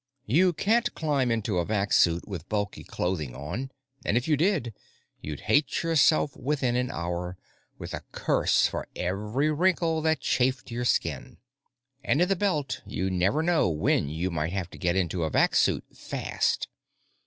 You can't climb into a vac suit with bulky clothing on, and, if you did, you'd hate yourself within an hour, with a curse for every wrinkle that chafed your skin. And, in the Belt, you never know when you might have to get into a vac suit fast.